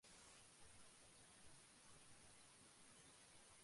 যদি তুমি পুরুষ হতে, এর পরে রায়বাহাদুর পদবী পাওয়া অসম্ভব হত না।